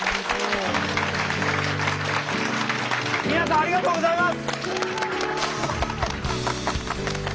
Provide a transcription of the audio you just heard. ありがとうございます！